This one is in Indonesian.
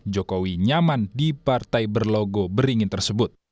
jokowi nyaman di partai berlogo beringin tersebut